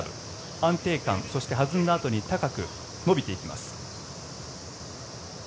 安定感、そして弾んだあとに高く伸びていきます。